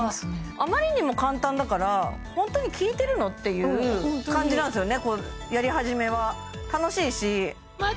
あまりにも簡単だからホントに効いてるの？っていう感じなんですよね